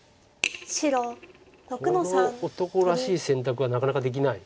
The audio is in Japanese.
この男らしい選択はなかなかできない。